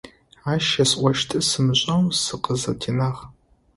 Ащ есӀощтыр сымышӀэу сыкъызэтенагъ.